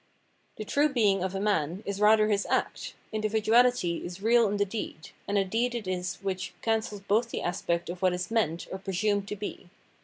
The true being of a man is rather his act ; indi viduality is real ia the deed, and a deed it is which cancels both the aspects of what is "meant" or "pre Physiognomy §ll sumed'^ to be.